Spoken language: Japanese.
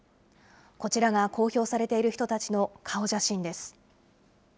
こちらが公表されている人たちの顔写真です。